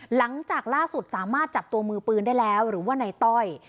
หลังจากล่าสุดสามารถจับตัวมือปืนได้แล้วหรือว่าในต้อย